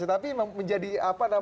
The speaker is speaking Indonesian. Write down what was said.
tapi menjadi apa namanya